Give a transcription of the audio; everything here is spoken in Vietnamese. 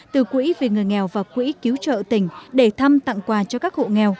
từ quỹ vì người nghèo và quỹ cứu trợ tỉnh để thăm tặng quà cho các hộ nghèo